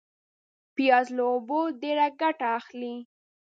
پیاز له اوبو ډېر ګټه اخلي